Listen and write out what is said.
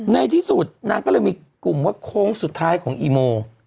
ในที่สุดนางก็เลยมีกลุ่มว่าโค้งสุดท้ายของอีโม